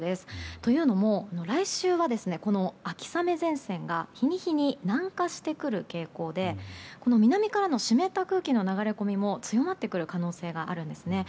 というのも、来週は秋雨前線が日に日に南下してくる傾向で南からの湿った空気の流れ込みも強まってくる可能性があるんですね。